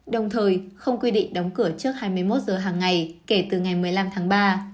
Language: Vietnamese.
đồng thời không quy định đóng cửa trước hai mươi một giờ hàng ngày kể từ ngày một mươi năm tháng ba